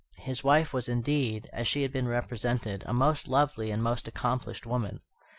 His wife was indeed, as she had been represented, a most lovely and most accomplished woman.